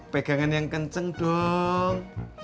pegangan yang kenceng dong